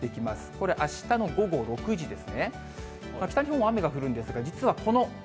これ、あしたの午後６時です。